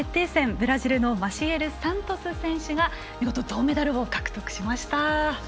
ブラジルのマシエル・サントス選手が見事、銅メダルを獲得しました。